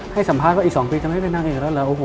ให้สัมภาษณ์ว่าอีก๒ปีจะไม่ได้นั่งอีกแล้ว